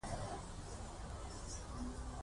که ویش پرمهال دیوال په موازي ډول جوړ شي ځنځیري بڼه لري.